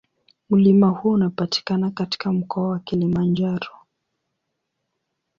Mlima huo unapatikana katika Mkoa wa Kilimanjaro.